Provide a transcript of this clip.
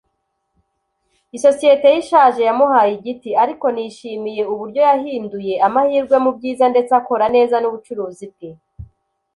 Isosiyete ye ishaje yamuhaye igiti. Ariko nishimiye uburyo yahinduye amahirwe mubyiza ndetse akora neza nubucuruzi bwe.